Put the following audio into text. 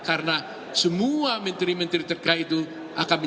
karena semua menteri menteri terkait itu akan menjelaskan ya